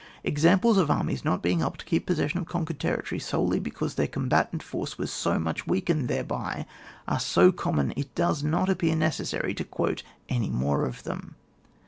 Examples of armies not being able to keep possession of conquered territory solely because their combatant force was so much weakened thereby, are so com mon that it does not appear necessary to quote any more of them.